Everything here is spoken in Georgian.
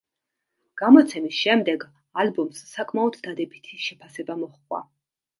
გამოცემის შემდეგ ალბომს საკმაოდ დადებითი შეფასება მოჰყვა.